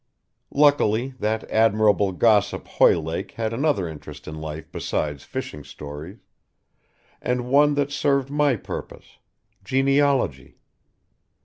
Luckily that admirable gossip Hoylake had another interest in life besides fishing stories, and one that served my purpose, genealogy.